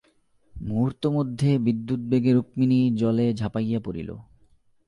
মুহূর্তমধ্যে বিদ্যুদ্বেগে রুক্মিণী জলে ঝাঁপাইয়া পড়িল।